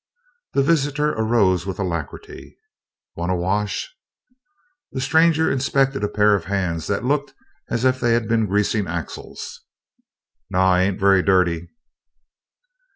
The visitor arose with alacrity. "Want a warsh?" The stranger inspected a pair of hands that looked as if they had been greasing axles. "No, I ain't very dirty."